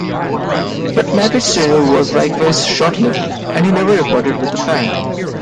But Madrid's tenure was likewise short-lived and he never recorded with the band.